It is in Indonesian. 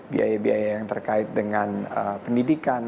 biaya biaya yang terkait dengan pendidikan